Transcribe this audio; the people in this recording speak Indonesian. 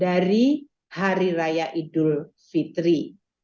dari hari raya idul fitri